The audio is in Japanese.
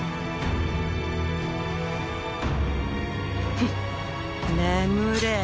フッ眠れ。